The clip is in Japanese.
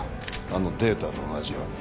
あのデータと同じように。